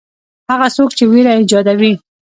هغه څوک چې وېره ایجادوي.